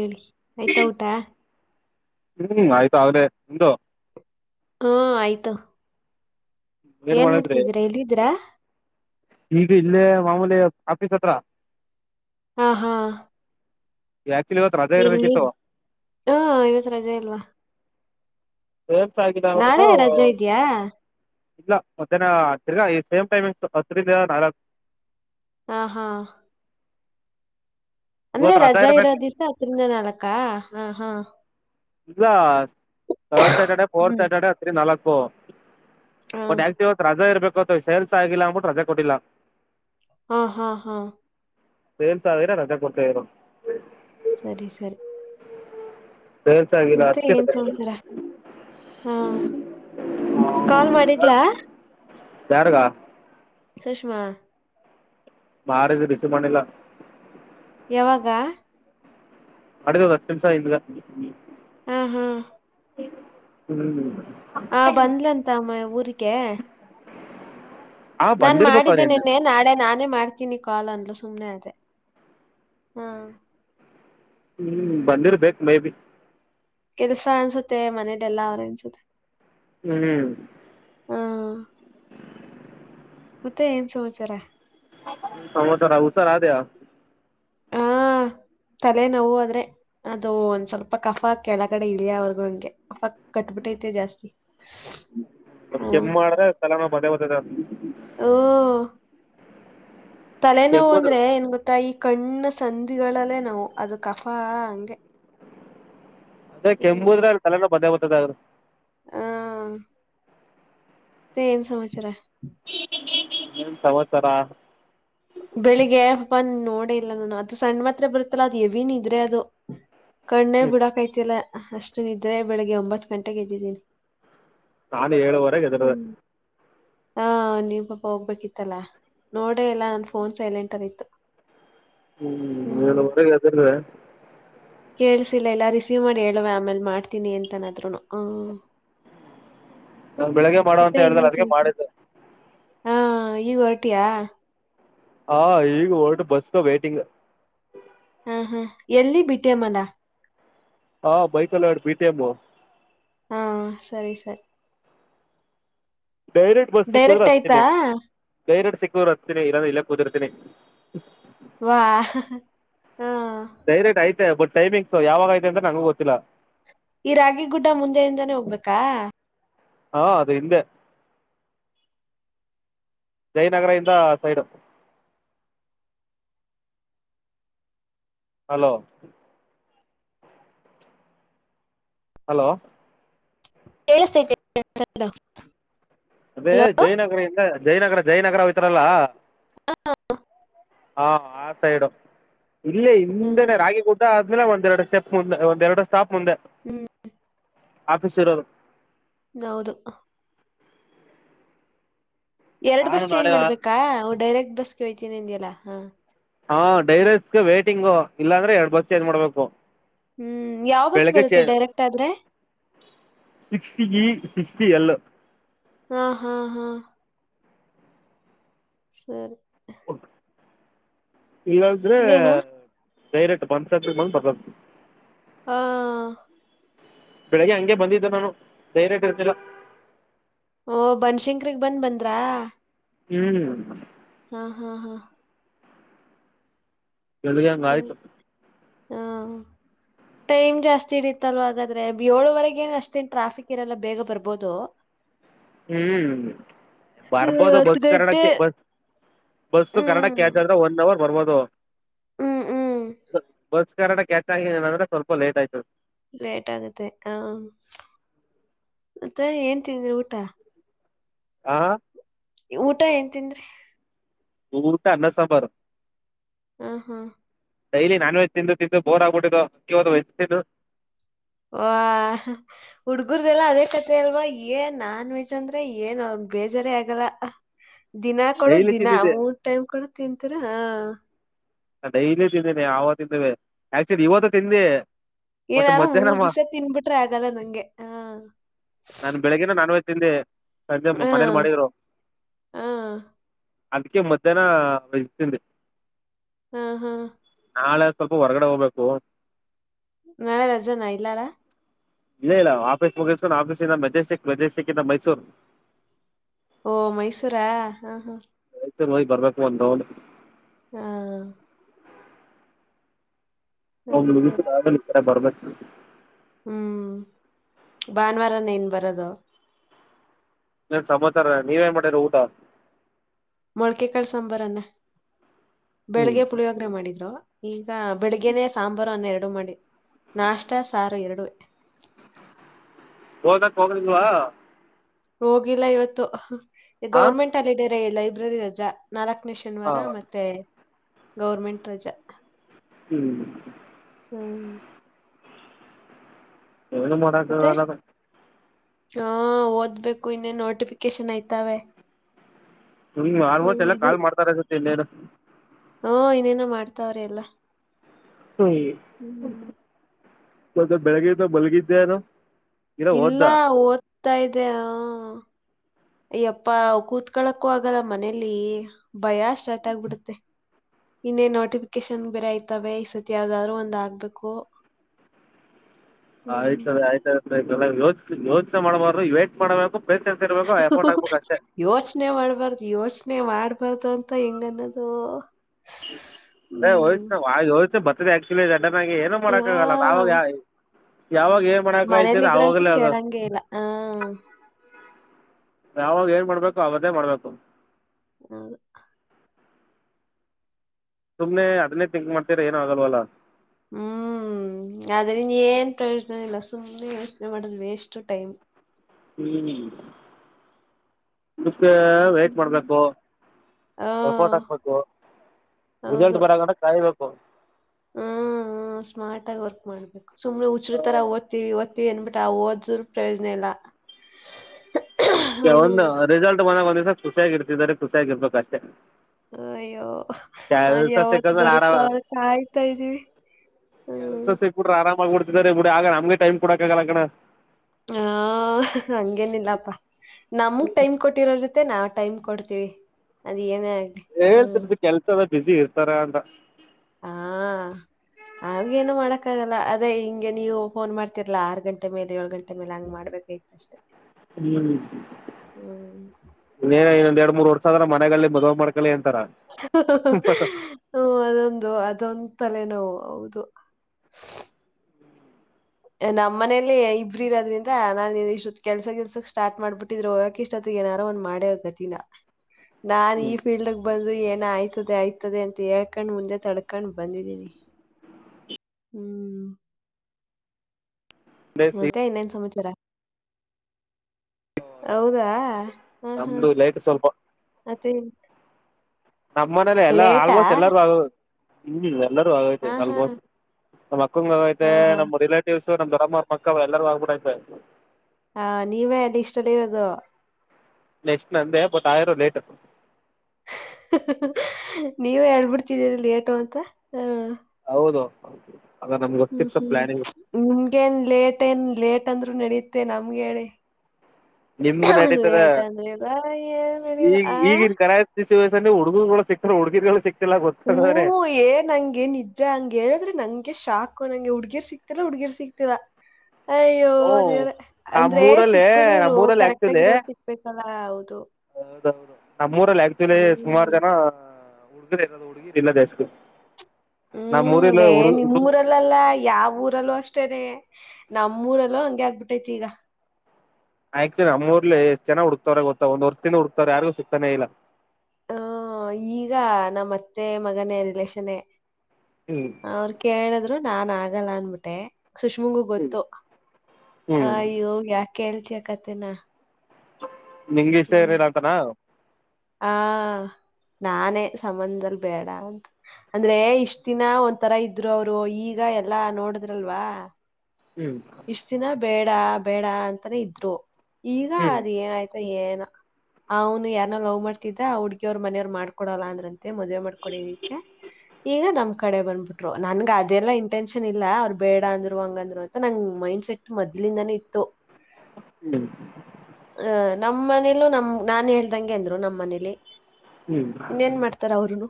ಹೇಳಿ ಆಯ್ತಾ ಊಟ ಹ್ಮ್ ಆಯ್ತು ಆಗ್ಲೇ ನಿಮ್ದು ಹಾ ಆಯ್ತು ಏನ್ ಮಾಡಿದ್ರಿ ಮಾಡ್ತಿದ್ದೀರಾ ಎಲ್ಲಿದ್ದೀರಾ ನಿಮ್ದು ಇಲ್ಲೇ ಮಾಮೂಲಿ ಆಫಿಸ್ ಹತ್ರ ಹಾ ಹಾ ಆಕ್ಚುಲಿ ಇವತ್ತು ರಜೆ ಇಲ್ಲಿ ಇರ್ಬೇಕಿತ್ತು ಹಾ ಇವತ್ ರಜೆ ಇಲ್ವಾ [unintelligible] ನಾಳೆ ರಜೆ ಇದೆಯಾ ಇಲ್ಲ ಮಧ್ಯಾಹ್ನ ತಿರ್ಗಾ ಸೇಮ್ ಟೈಮಿಂಗ್ ಹತ್ತರಿಂದ ನಾಲ್ಕು ಹಾ ಹಾ ಅಂದ್ರೆ ಇವತ್ತು ರಜಾ ಇರೋ ಇರ್ಬೇಕು ದಿವ್ಸ ಹತ್ತರಿಂದ ನಾಲ್ಕ ಹಾ ಹಾ ಇಲ್ಲ third Saturday fourth hmm Saturday ಹತ್ರಿಂದ್ ನಾಲ್ಕು ಹಾ ಬಟ್ ಆಕ್ಚುಲಿ ಇವತ್ ರಜಾ ಇರ್ಬೇಕು ಇತ್ತು ಸೇಲ್ಸ್ ಆಗಿಲ್ಲ ಅಂಬಿಟ್ಟು ರಜಾ ಕೊಟ್ಟಿಲ್ಲ ಹಾ ಹಾ ಹಾ ಸೇಲ್ಸ್ ಆಗಿರೇ ರಜೆ ಕೊಡ್ತಿದ್ರು ಸರಿ ಸರಿ ಸೇಲ್ಸ್ ಆಗಿಲ್ಲ ಮತ್ತೆ ಅದಕ್ಕೆ ಏನ್ ರಜೆ ಕೊಟ್ಟಿಲ್ಲ ತೊಂತೀರ ಹಾ ಕಾಲ್ ಮಾಡಿದ್ಲಾ ಯಾರಗ ಸುಷ್ಮಾ ಮಾಡಿದ್ರ್ ರಿಸೀವ್ ಮಾಡಿಲ್ಲ ಯಾವಾಗ ಮಾಡಿದ್ಲು ಒಂದ್ ಹತ್ತು ನಿಮಿಷ ಹಿಂದೆ ಹ್ಮ್ ಹ್ಮ್ ಹ್ಮ್ ಆ ಬಂದ್ಲಂತಮ್ಮ ಊರಿಗೆ ಆ ನಾನ್ ಬಂದಿರ್ಬೇಕು ಅವ್ರು ಮಾಡಿದ್ದೆ ಇನ್ನು ನೆನ್ನೆ ನಾಳೆ ನಾನೇ ಮಾಡ್ತೀನಿ ಕಾಲ್ ಅಂದ್ಲು ಸುಮ್ ಸುಮ್ನೆ ಆದೆ ಹಾ ಹ್ಮ್ ಬಂದಿರ್ಬೇಕ್ ಮೇ ಬಿ ಕೆಲ್ಸ ಅನ್ಸುತ್ತೆ ಮನೇದೆಲ್ಲಾ ಅವ್ರೆ ಅನ್ಸುತ್ತೆ ಹ್ಮ್ ಹ ಮತ್ತೆ ಏನ್ ಸಮಚಾರ ಸಮದರ ಹುಷಾರಾಧ್ಯ ಹಾ ತಲೆನೋವು ಆದ್ರೆ ಅದು ಒಂದ್ ಸ್ವಲ್ಪ ಕಫ ಕೆಳಗಡೆ ಇಳಿಯವರೆಗೂ ಹಂಗೆ ಅಪ್ಪ ಕಟಬಟಐತೆ ಜಾಸ್ತಿ ಹ್ಮ ದ [unintelligible] ಓ ತಲೆನೋವು ಕೆಮ್ಮುದ್ರ ಅಂದ್ರೆ ಏನ್ ಗೊತ್ತಾ ಈ ಕಣ್ಣ ಸಂಧಿಗಳಲ್ಲೇ ನಾವು ಅದು ಕಫಾ ಹಂಗೆ ಅದೇ ಕೆಮ್ಮುದ್ರ ಅ ತಲೆನ ಬದೇ ಗೊತ್ತದ್ರದು ಹಾ [inaudible] ಮತ್ತೆ ಏನ್ ಸಮಾಚಾರ ಏನ್ ಸಮಾಚಾರ ಬೆಳಿಗ್ಗೆ ಹಬ್ಬ ನೋಡ ಇಲ್ಲ ನಾನು ಅದು ಸಣ್ಣ ಮಾತ್ರ ಬರುತ್ತಲ್ಲ ಅದ್ ಯವನ್ ಇದ್ರೆ ಅದು ಕಣ್ಣೇ ಹ್ಮ್ ಬಿಡಕೈತಿಲ್ಲ ಅಷ್ಟು ನಿದ್ರೆ ಬೆಳಿಗ್ಗೆ ಒಂಬತ್ತು ಗಂಟೆಗೆ ಎದ್ದಿದೀನಿ ನಾನೆ ಏಳುವರೆಗೆ ಹೆದ್ರದ ಹಾ ನೀವು ಪಾಪ ಹೋಗ್ಬೇಕಿತ್ತಲ್ಲಾ ನೋಡ್ರಿ ಎಲ್ಲಾ ನನ್ ಫೋನ್ ಸೈಲೆಂಟ್ ಆಗಿತ್ತು ಹ್ಮ್ ನೀನ್ ಊಗೆ ಅದಿಲ್ೇ ಕೇಳ್ಸಿಲ್ಲ ಎಲ್ಲ ರಿಸೀವ್ ಮಾಡಿ ಹೇಳವ ಆಮೇಲ್ ಮಾಡ್ತೀನಿ ಅಂತನಾದ್ರುನು ಹ್ಮ್ ನಾ ಬೆಳಿಗ್ಗೆ ಮಾಡುವ ಮತ್ತೆ ಅಂತ ಹೇಳ್ದ್ರೆ ಇನ್ನೇನ್ ಅದಕ್ಕೆ ಸಮಾಚಾರ ಮಾಡಿದ್ದೆ ಹಾ ಈಗ ಹೊರಟಿಯ ಹಾ ಈಗ ಹೊರ್ಟ ಬಸ್ಗ ವೇಟಿಂಗ್ ಹ್ಮ್ ಹ್ಮ್ ಎಲ್ಲಿ ಬಿಟ್ಟೇ ಮನ ಹಾ ಬೈಕಲ್ಲ ಆಡು ಬಿೀತೆಮ ಹಾ ಸರಿ ಸರಿ ಡೈರೆಕ್ಟ್ ಬಸ್ ಸಿಕ್ಕದ್ರೆ ಡೈರೆಕ್ಟ್ ಆಯ್ತಾ ಹಚ್ತೀನಿ ಡೈರೆಕ್ಟ್ ಸಿಕ್ಕುದ್ರರು ಹಗ್ತೀನಿ ಇಲ್ಲಂದ ಇಕ್ಕ ಕೂದಿರ್ತೀನಿ ವಾ ಹಾ ಡೈರೆಕ್ಟ್ ಬಟ್ ಟೈಮಂಗ್ಸ್ ಯಾವಾಗ ಐತೆ ಅಂತ್ರ ನಂಗು ಗೊತ್ತಿಲ್ಲ ಈ ರಾಗಿ ಗುಡ್ಡ ಮುಂದೆಯಿಂದಾನೇ ಹೋಗ್ಬೇಕಾ ಹಾ ಅದು ಹಿಂದೆ ಜಯನಗರ ಇಿಂದ ಸೈಡ್ ಹಲೋ ಹಲೋ ಕೇಳಿಸಸ್ತೈತೆ ಅದೇ ಜಯನಗರ ಇಿಂದ ಜಯನಗರ ಜಯನಗರ ಅವತಾರಲ್ಲ ಹ ಹಾ ಆ ಸೈಡು ಇಲ್ಲೇ ಹಿಂದನೆ ರಾಗಿ ಗುಡ್ಡ ಇ ಒಂದ ಎರಡು ಸ್ಟೆಪ್ ಮುಂದೆ ಒಂದ ಎರಡು ಸ್ಟೆಪ್ ಮುಂದೆ ಹ್ಮ್ ಆಫೀಸ ಇರೊದು ಹೌದು ಎರಡ್ ನಾನು ಬಸ್ ಚೇಂಜ್ ನಾಳೆ ಮಾಡ್ಬೇಕಾ ಡೈರೆಕ್ಟ್ ಬಸ್ಗೆ ಹೊಯ್ತೀನಿ ಎಲ್ಲ ಹಾ ಡೈರೆಕ್ಟ್ ವೈಟಿಂಗು ಇಲ್ಲಾಂದ್ರೆ ಎರಡ್ ಬಸ್ ಚೇಂಜ್ ಮಾಡ್ಬೇಕು ಹ್ಮ್ ಯಾವ ಬಸ್ ಬೆಳಗೆ ಬರುತ್ತೆ ಚೇಂಜ್ ಡೈರೆಕ್ಟ್ ಆದ್ರೆ ಸಿಕ್ಸಿಟಿಗೆ ಿ ಎಲ್ಲ ಹಾ ಹಾ ಹಾ ಸರಿ ಇಲ್ಲಂದ್ರೆ ನೀನು ಡೈರೆಕ್ಟ್ ಪಂ [inaudible] [unintelligible] ಹಾ ಬೆಳಿಗ್ಗೆ ಹಂಗೆ ಬಂದಿದ್ದು ನಾನು ಧೈರ್ಯಟ್ ಇರ್ತಿಿಲ್ಲ ಓ ಬನ್ಶಂಕ್ರಗ್ ಬಂದ್ ಬಂದ್ರಾ ಹ್ಮ್ ಹಾ ಹಾ ಹಾ ಬೆಳೆಗೆ ಸರಿ ಹಂಗಆಯ್ತು ಹಾ ಟೈಮ್ ಜಾಸ್ತಿ ಇಡತ್ತಲ್ವಾ ಹಾಗಾದ್ರೆ ಏಳುವರೆಗ ಅಷ್ಟೇನ್ ಟ್ರಾಫಿಕ್ ಇರಲ್ಲ ಬೇಗ ಬರ್ಬೋದು ಹ್ಮ್ ಹ್ಮ್, ಬರ್ಬೋದು ಹತ್ತು ಗಂಟೆ ಬಸ್ಕಣಕ್ಕೆ ಬ ಬಸ್ಸ ಕನ್ನಡಕ್ಕೆ ಹ್ಮ್ ಎ ಕ್ ಅಂದ್ರೆ ಒನ್ ಓವರ್ ಬರ್ಬೋದು ಹ್ಮ್ ಹ್ಮ್ ಬಸ್ ಕಾಟ ಕ್ಯಾಚ್ ಆಗಂದ್ರೆ ಸ್ವಲ್ಪ ಲೇಟ್ ಆಯ್ತು ಲೇಟ್ ಆಗುತ್ತೆ ಹ ಮತ್ತೆ ಏನ್ ತಿಂದ್ರಿ ಊಟ ಹಾ ಊಟ ಏನ್ ತಿನ್ರಿ ಊಟ ಅನ್ನ ಸಾಂಬರ್ ಹಾ ಹಾ ಡೈಲಿ ನಾನ್ ವೆಜ್ ತಿಂದು ತಿಂದು ಬೋರ್ ಆಗ್ಬಿಟ್ಟಿದ್ದು ಅದು ವೆಜ್ ತಿಂದು ವ ಹುಡ್ಗುರ್ದೆಲ್ಲ ಅದೇ ಕತೆ ಅಲ್ವಾ ಏನ್ ನಾನ್ ವೆಜ್ ಅಂದ್ರೆ ಏನ್ ಅವ್ರ ಬೇಜಾರ ಆಗಲ್ಲ ದಿನ ಕೊಡ ಡೈಲಿ ದಿನಾ ತಿಂದಿದ್ದೆ ಮೂರ್ ಟೈಮ್ ಕೊಡ ತಿಂ ತೀರಾ ಹ ಡೈಲಿ ತಿಂದೇನಿ ಆವಾಗ ತಿಂದಿವವಿ ಆಕ್ಚುಲಿ ಇವತ್ತು ತಿಂದೆ ಬಟ್ ಏನಾರು ಮೂರ್ ಮಧ್ಯಾಹ್ನಮ್ಮ ದಿವ್ಸ ತಿನ್ಬಿಟ್ರೆ ಆಗಲ್ಲ ನಂಗೆ ಹ ನಾನ್ ಬೆಳಿಗಿನ ನಾನ್ವೆಜ್ ತಿಂ ದೆ ಸಂಜೆ ಹಾ ಮನೇಲಿ ಮಾಡಿದ್ರು ಹಾ ಅದ್ಕ್ಕೆ ಮಧ್ಯಾಹ್ನ ವೆಜ್ ತಿಂದೆ ಹಾ ಹಾ ನಾಳೆ ಸ್ವಲ್ಪ ಹೊರಗಡೆ ಹೋಗ್ಬೇಕು ನಳ ರಜನಾ ಇಲ್ಲಾರಾ ಇಲ್ಲ ಇಲ್ಲ ಆಫೀಸ್ ಮುಗಿಸಸ್ಕೊಂಡು ಆಫೀಸ್ ಇಂದ ಮೆಜೆಸ್ಟಿಕ್ ಮೆಜೆಸ್ಟಿಕ್ ಇಂದ ಮೈಸೂರು ಓ ಮೈಸೂರ ಹಾ ಹಾ ನಿ ಬರ್ಬೇಕು ಒಂದ್ ರೌಂಡ್ ಹಾ ಒ ಸರಿ ಮುಗಸ ಸರಿ ಆ ಬರ್ಬೇಕು ಹ್ಮ್ ಭಾನುವಾರನ ಏನ್ ಬರದು ನನ್ ಸಮಾಚಾರ ನೀವೇನ್ ಮಾಡಿದರ ಊಟ ಮೊಳ್ಕೆಕಾಳ ಸಾಂಬಾರನ್ನ ಹ್ಮ್ ಬೆಳಿಗ್ಗೆ ಪುಳಿಯೋಗ್ರ ಮಾಡಿದ್ರು ಈ ಈಗ ಬೆಳಗ್ಗೆನೆ ಸಾಂಬಾರು ಅನ್ನ ಎರಡು ಮಾಡಿ ನಾಷ್ಟ ಸಾರು ಎರಡು ಓದ ಕ್ ಹೋಗ್ರಲ್ವಾ ಹೋಗಿಲ್ಲ ಇವತ್ತು ಹಾ ಗೌರ್ಮೆಂಟ್ ಹಾಲಿಡೇ ಲೈಬ್ರರಿ ರಜಾ ನಾಲ್ಕ ನ ಹಾ ಶನಿವಾರ ಮತ್ತೆ ಗೌರ್ಮೆಂಟ್ ರಜಾ ಹ್ಮ್ ಹ್ಮ ಏನು ಮಾಡೋಕೆ ಮತ್ತೆ ಆಗಲ್ಲ ಅಲಾ ಹಾ ಓದ್ಬೇಕು ಇನ್ನೇ ನೋಟಿಫಿಕೇಶನ್ ಆಯ್ತವೆ ಹ ಆಲ್ಮೋಸ್ಟ್ ಎಲ್ಲಾ ಕಾಲ್ ಮಾಡ್ತಾರ ಅನ್ಸುತ್ತೆ ಇನ್ನ ಏನು ಹಾ ಇನೇನ ಮಾಡ್ತಾವ್ರ ಎಲ್ಲ ಹ್ಮ್ ಹುಂ ಬೆಳಿಗ್ಗೆ ಇಂದ ಮಲಗಿದೇನು ಇಲ್ಲ ಓದ್ತಾ ಇದೆ ಹುಂ ಅಯ್ಯಪ್ಪಾ ಕೂತ್ಕಳಕ್ಕೂ ಆಗಲ್ಲ ಮನೇಲಿ ಭಯ ಸ್ಟಾರ್ಟ್ ಆಗ್ಬಿಡತ್ತೆ ಇನ್ನೇ ನೋಟಿಫಿಕೇಶನ್ ಬೇರೆ ಐತಾವ ಈ ಸತಿ ಯಾವ್ದಾದ್ರು ಒಂದ್ ಆಗ್ಬೇಕು ಹ್ಮ್ ಆಯ್ತ ಆಯ್ತಯ್ತ ಆಯ್ತ ಯೋಚ ಯೋಚನೆ ಮಾಡ್ಬಾರ್ದು ವೇಟ್ ಮಾಡ್ಬೇಕು ಪೇಷನ್ಸ್ ಇರ್ಬೇಕು ಎಫರ್ಟ್ ಹಾಕ್ಬೇಕು ಅಷ್ಟೇ ಯೋಚನೆ ಮಾಡ್ಬಾರ್ದು ಯೋಚನೆ ಪ್ರಶನೆ ಮಾಡ್ಬಾರ್ದು ಅಂತ ಹೆಂಗ್ ಗನ್ನೋದು ಅದೇ ಹೋ ಹೋತ ಬರ್ತದೆ ಆಕ್ಚುಲಿ ಚನಾಗಿ ಏನು ಮಾಡಕ್ಕ ಆಗಲ್ಲ ಆ ನಾವಾಗಿ ಯಾವಾಗ ಏನ್ ಮಾಡಕಯತದ ಮನೇಲಿದ್ರಂತೂ ಅವಾಗ್ಲ ಆಗದ್ ಕೇಳಂಗೇ ಇಲ್ಲ. ಆ. ಯಾವಾಗ ಏನ್ ಮಾಡ್ಬೇಕು ಅವಗೆ ಅದೆ ಮಾಡ್ಬೇಕು ಹೌದು. ಸುಮ್ನೆ ಹದನೇ ತಿಂಕ್ ಮಾಡ್ತೀರ ಏನ ಆಗಲ್ವಲ್ಲ ಹ್ಮ್ ಹ್ಮ ಆದ್ರಿಂದ ಏನ್ ಪ್ರಯೋಜನ ಇಲ್ಲ ಸುಮ್ಮ್ನೆ ಯೋಚನೆ ಮಾಡುದು ವೇಷ್ಟು ಟೈಮ್ ಹ್ಮ್ ಇದಕ್ಕೆ ವೇಟ್ ಹ್ಮ್. ಮಾಡ್ಬೇಕು ಆ. ಎಫೋರ್ಟ್ ಹಾಕ್ಬೇಕು ರಿಸಲ್ಟ್ ಬರಗಂಟ ಕಾಯಬೇಕು ಹ್ಮ ಸ್ಮಾರ್ಟ್ ಆಗಿ ವರ್ಕ್ ಮಾಡ್ಬೇಕು ಸುಮ್ ಹುಚ್ಚ್ರ್ ತರ ಓದ್ತೀವಿ ಓಡ್ತಿವಿ ಏನ್ಬಿಟ್ಟ ಆ ಓದ್ರ ಪ್ರಯೋಜನ ಇಲ್ಲ ಹ್ಮ್. ಒಂದು ರಿಸಲ್ಟ್ ಮನಾಗ ಒಂದಿವ್ಸ ಖುಷಿಯಾಗಿ ಇರ್ತಿದ್ದಾರೆ ಖುಷಿಯಾಗಿ ಇರ್ಬೇಕಷ್ಟೆ ಅಯ್ಯೋ ಅದ್ ಯಾವತ್ ಸಿಕ್ಕಂದ್ರೆ ಬರುತ್ತೋ ಅ ಕಾಯ್ತಾ ಇದ್ದೀವಿ ಕೆಲಸ ಸಿಕ್ ಬಿಟ್ರೆ ಆರಾಮಾಗಿ್ಬ ಬಿಡ್ತಿದ ಬಿಡಿ ಆಗ ನಮ್ಗೆ ಟೈಮ್ ಕೊಡಕಕ್ಕಾಗಲ್ಲ ಕಣ ಹ ಹಂಗೇನಿಲ್ಲಪ್ಪಾ ನಮಗ್ ಟೈಮ್ ಕೊಟ್ಟಿರೋ ಜೊತೆ ತ್ತೆ ನಾವು ಟೈಮ್ ಕೊಡ್ತೀವಿ ಅದ ಏನೆ ಆಗ್ಲಿ ಹ್ಮ್. ಹೇಳ್ತರದು ಕೆಲ್ಸ ಎಲ್ಲ ಬುಿಸಿ ಇರ್ತಾರ ಅಂತ ನಾವ್ಗ ನು ಮಾಡಕ್ಕಾಗಲ್ಲ ಅದೇ ಹಿಂಗೆ ನೀವು ಫೋನ್ ಮಾಡ್ತಿರ್ಲಾ ಆರು ಗಂಟೆ ಮೇಲೆ ಏಳು ಗಂಟೆ ಮೇಲೆ ಹಂಗ್ ಮಾಡ್ಬೇಕೈತ್ತು ಅಷ್ಟೇ ಹ್ಮ್ ಇೇನ್ ಹ್ಮ್ ಇನ್ನೊಂದ್ ಎರಡ್ ಮೂರ್ ವರ್ಷ ಆದದ್ರ ಮನೆ ಮದ್ುವ ಮಾಡ್ಕೊಳ್ಳಿ ಅಂತ ಹ ಅದೊಂದು ಅದೊಂದು ತಲೆನೋವು ಹೌದು ನಮ್ಮ ಮನೇಲಿ ಇಬ್ರಿರೋ್ರಿಂದ ನಾನ್ ಇಷ್ಟೊತ್ ಕೆಲ್ಸ ಕೆಲ್ಸಕ್ ಸ್ಟಾರ್ ಮಾಡ್ಬಿಟ್ಟಿದ್ರು ಹೋಗಕೆಷ್ಟತ್ತ ಏನಾರೋ ಒಂದ್ ಮಾಡ್ಯವ ಕತಿನ ನಾನ್ ಈ ಫೀಲ್ಡ್ ಬಂದ ಏನ ಆಯ್ತದೆ ಆಯ್ತದೆ ಅಂತ ಹೇಳ್ಕೊಂಡ್ ಮುಂದೆ ತಡ್ಕೊಂಡ್ ಬಂದಿದೀನಿ ಹ್ಮ್ ಮತ್ತೆ ಇನ್ನೇನ್ ಸಮಾಚಾರ ಹೌದು ರಾ ಹಾ ಹಾ ನಮ್ದು ಲೈಟ್ ಸ್ವಲ್ಪ ಮತ್ತೆ ನಮ್ಮ್ ಮನೇಲಿ ಎಲ್ಲಾ ಲೇಟಾ ಆಲ್ಮೋಸ್ಟ್ ಎಲ್ಲಾರೂ ಎಲ್ಲರೂ ಆಗೈತೆ ಹಾ ಹಾ ಆಲ್ಮೋಸ್ಟ್ ನಮ್ ಅಕ್ಕ ಆಗೈತೆ ಹಾ ನಮ್ ರಿಲೇಟಿವ್ಸ್ ನಮ್ ಅಮ್ಮ ಮಕ್ಕವ ಎಲ್ಲಾರು ಆಗ್ಬಿಡತೆ ಹಾ ನೀವೇ ಎಲ್ಲಿ ಇಷ್ಟಲ್ಲಿ ಇರೋದು ನೆಷ್ಟಟ್ ನ ಅಂದ ಪತ್ತ ಆದ್ರೂ ಲೇಟ್ ನೀವೇ ಹೇಳ್ಬಿಡ್ತಿದ್ದೀರಿ ಲೇಟೋ ಅಂತ ಹ ಹೌದು ಅದ ನಮ್ಗೆ ಹ್ಮ್ ಗೊತ್ತಿತ್ತು ಹ್ಮ್ ಪ್ಲಾನಿಂಗ್ ನಿಮ್ಗೇನ್ ಲೇಟ್ ಏನ್ ಲೇಟ್ ಅಂದ್ರರು ನಡೀತ್ತೆ ನಮ್ಗೆ ಹೇಳಿ ನಿಮ್ಗೆ ನಡೀತದ ಲೇಟ್ ಅಂದಲಿಲ್ಲ ಏನ್ಡಿಲ್ಲ ಆ ವಯಸ ಹುಡಗುರಗಳು ಸಿಕ್ತಾರೆ ಹುಡ್ಗಿರ್ ಸಿಗಲ್ಲ ಹ್ಮ್ ಏನ್ಂಗೆ ನಿಜ ಹಂಗೆ ಹೇಳಿದ್ರೆ ನಂಗೆ ಶಾಕು ನಂಗೆ ಹುಡ್ಗೀರ್ ಸಿಗ್ತಿರಾ ಹುಡ್ಗೀರ್ ಸಿಗ್ತತಿರಾ ಅಯ್ಯೋ ಹ್ಮ್ ದೇವ್ರೇ ಅದೇ ಅಂದ್ರೆ ನಮ್ಮೂರಲ್ಲಿ ಸಿಕ್ಕುದ್ರು ನಮ್ಮೂರಲ್ಲಿ ಆಕ್ಚುಲಿ ಕರೆಕ್ಟ್ಗಿರೋರು ಸಿಕ್ಬೇಕಲ್ಲ ಹೌದು ಹೌದೌದು ನಮ್ಮ ಉರಲ್ಲಿ ಆಕ್ಚುಲಿ ಸುಮಾರು ಹ್ಮ್. ಜನ ಹುಡುರ್ ಇರದು ಜಾಸ್ತಿ ಹುಡ್ಗಿರ್ ಇಲ್ಲಾ ಹ್ಮ್ ಏ ನಿಮ್ಮೂಊರಲ್ಲಲ್ಲ ಯಾವ ಊರಲ್ಲೂ ಅಷ್ಟೇನೆ ನಮ್ಮೂರೆಲ್ಲೋ ಹಂಗೆ ಆಗ್ಬಿಟ್ಟೈತಿ ಈಗ ಆಕ್ಚುಲಿ ನಮ್ಮೂಊಲ್ಲಿ ಎಷ್ಟ ಜನ ಹುಡ್ತವ್ರ ಗೊತ್ತ ಒಂದ್ರ್ ದಿಂದ ಹುಡ್ತವ್ರ ಯಾರಿಗು ಸಿಗ್ತಾನೇ ಇಲ್ಲ ಹ ಈಗ ನಮ್ಮತ್ತೆ ಮಗನೇ ರಿಲೇಷನ್ ಹ್ಮ್ ಅವರು ಕೇಳಿದ್ರು ನಾ ಆಗಲ್ಲ ಅನ್ಬಿಟ್ಟೆ ಸುಷ್ಮುಂಗೂ ಗೊತ್ತು ಹ್ಮ್ ಅಯ್ಯೋ ಯಾಕ ಹೇಳ್ತಯ ಕತನಾ ನಿಂಗ ಇಷ್ಟ ಇರಿಲ್ಲ ಅಂತನ ಆ ನಾನೇ ಸಂಬಂಧದಲ್ಲಿ ಬೇಡ ಅಂತ ಅಂದ್ರೆ ಇಷ್ಟ ದಿನ ಒಂಥರ ಇದ್ರು ಅವರು ಈಗ ಎಲ್ಲಾ ನೋಡಿದ್ರಲ್ವಾ ಹ್ಮ್ ಇಷ್ಟ ದಿನ ಬೇಡ ಬೇಡ ಅಂತಾನೇ ಇದ್ರು ಈಗ ಹ್ಮ್ ಅದ ಏನಾಯ್ತು ಏನ ಅವ್ನು ಯಾರ ಲವ್ ಮಾಡ್ತಿದ್ದ ಹುಡ್ಗಿವ್ರ ಮೆಯವ್ ಮಾಡ್ಕೊಡಲ್ಲ ಅಂದ್ರಂತೆ ಮದ್ವೆ ಮಾಡ್ಕೊೊಂಡ ಇದಕ್ಕೆ ಈಗ ನಮ್ ಕಡೆ ಬಂದ್ಬಿಟ್ರು ನನ್ಗ ಅದೆಲ್ಲಾ ಇಂಟೆನ್ಷನ್ ಇಲ್ಲ ಅವ್ರು ಬೇಡ ಅಂದ್ರು ಹಂಗಂದ್ರು ನಂಗ ಮೈಂಡ್ಸೆಟ್ ಮೊದ್ಲಿಂದಾನೇ ಇತ್ತು ಹ್ಮ್ ನಮ್ಮ್ ಮನೇಲೂ ನಮ ನಾನ್ ಹೇಳ್ದಂಗೆ ಅಂದ್ರು ನಮ್ಮ್ ಮನೇಲಿ ಹ್ಮ್ ಇನ್ನೇನ್ ಮಾಡ್ತಾರ ಅವರುನು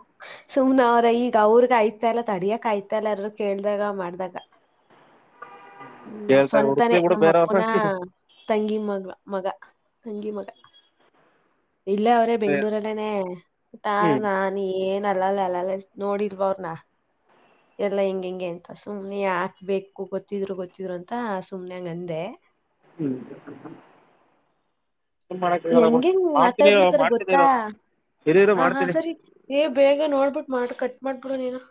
ಸುಮ್ನ ಅವ್ರ ಈಗ ಅವ್ರಗ ಆಯ್ತಾ ಎಲ್ಲ ತಡಿಯಕ್ ಆಯ್ತ ಎಲ್ಲಾರರು ಕೇಳ್ದಾಗ ಮಾಡ್ದಾಗ [inaudible] ಹ್ಮ್ ಕೇಳ್ತಾರೆ ಸ್ವಂತನೇ ಹುಡುಕ್ಲಿ ಬಿಡು ನಮ್ಮ ಬೇರೆಯವ್ರ ಅಪ್ಪುನ ತಂಗಿ ಮಗ ಮಗ ತಂಗಿ ಮಗ ಇಲ್ಲೇ ಅವರೇ ಹ್ಮ್ ಬೆಂಗ್ಳೂರಲ್ಲೇನೆಊಟಾ ನಾನ ಏನ್ ಅಲ್ಲಲ್ಲ ಅಲ್ಲಲ್ಲ ನೋಡಿಲ್ವ ಅವ್ರನ ಎಲ್ಲಾ ಹೆಿಂಗ ಹೆಂಗೆ ಅಂತ ಸುಮ್ನೆ ಯಾಕ್ಬೇಕು ಗೊತ್ತಿದ್ರು ಗೊತ್ತಿದ್ರು ಅಂತ ಸುಮ್ನೆ ಹಂಗ ಅಂದೆ ಹ್ಮ್ ಏನ್ ಮಾಡಕ್ ಆಗಲ್ಲ ಬಿಡು ಹೆಂಗಿನ್ ಮಾಡ್ತೀನಿ ಆತಡ್ ಬಿಿಡ್ತಾರ ಮಾಡ್ತೀನಿ ಗೊತ್ತಾ ಇರು ಇರು ಇರು ಹ ಹಾ ಮಾಡ್ತೀನಿ ಸರಿ ಏ ಬೇಗ ನೋಡ್ಬಿಟ್ಟು ಮಾಡ ಕಟ್ ಮಾಡ್ಬಿಡನ ನ